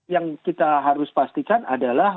yang kita harus pastikan adalah